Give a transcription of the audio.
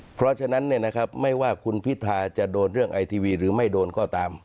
เพราะฉะนั้นไม่ว่าคุณพิธาจะโดนเรื่องไอทีวีหรือไม่โดนก็ตาม